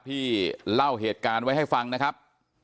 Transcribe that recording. เล่าเหตุการณ์ไว้ให้ฟังนะครับ